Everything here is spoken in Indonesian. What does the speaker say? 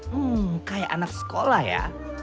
hmm kayak anak sekolah ya